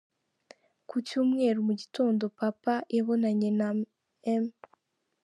Ku cyumweru mu gitondo, Papa yabonanye na M.